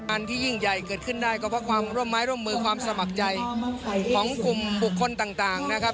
อันที่ยิ่งใหญ่เกิดขึ้นได้ก็เพราะความร่วมไม้ร่วมมือความสมัครใจของกลุ่มบุคคลต่างนะครับ